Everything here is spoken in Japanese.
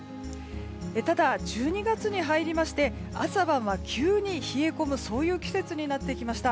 ただ、１２月に入りまして朝晩は急に冷え込むそういう季節になってきました。